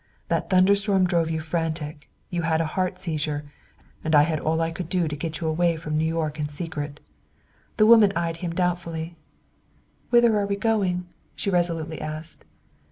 That thunder storm drove you frantic; you had a heart seizure, and I had all I could do to get you away from New York in secret." The woman eyed him doubtfully. "Whither are we going?" she resolutely asked.